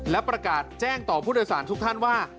และประกาศแจ้งต่อผู้โดยสารทุกท่านว่า